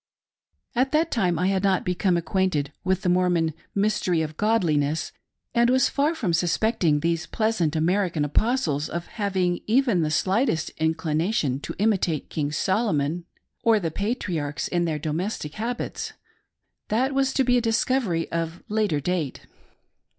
At that time I had not become acquainted with the Mor mon "mystery of godliness," and was far from suspecting these pleasant American Apostles of having even the slightest inclination to imitate King Solomon or the patriarchs in their domestic habits. That was to be a discovery of later date.